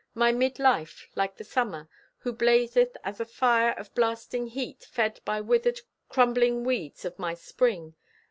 My midlife, like the summer, who blazeth As a fire of blasting heat, fed by withered Crumbling weeds of my spring.